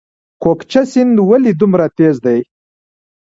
کوکچه سیند ولې دومره تیز دی؟